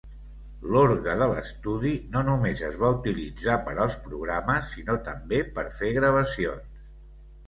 L'orgue de l'estudi no només es va utilitzar per als programes sinó també per fer gravacions.